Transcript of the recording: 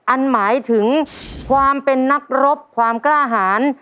อันหมายถึงความเป็นนักรบความกล้าหาร